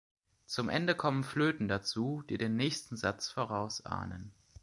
Zum Ende kommen Flöten dazu, die den nächsten Satz vorausahnen.